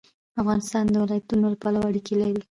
افغانستان د ولایتونو له پلوه اړیکې لري.